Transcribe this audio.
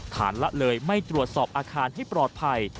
ละเลยไม่ตรวจสอบอาคารให้ปลอดภัย